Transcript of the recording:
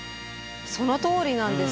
そのとおりなんです。